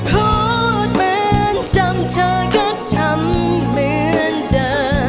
พูดเหมือนทำเธอก็ทำเหมือนเธอ